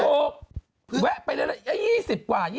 โป๊ะแวะไปเรื่องรายงาน๒๐กว่า